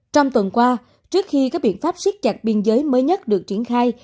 trong tuần qua trước khi các biện pháp siết chặt biên giới mới nhất được triển khai